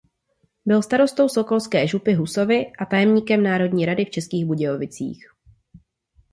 Byl starostou sokolské župy Husovy a tajemníkem Národní rady v Českých Budějovicích.